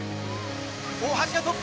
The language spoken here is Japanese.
大橋がトップ。